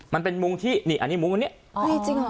มันเป็นมุ้งที่นี่อันนี้มุ้ง